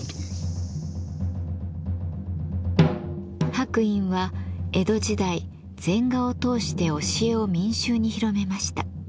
白隠は江戸時代禅画を通して教えを民衆に広めました。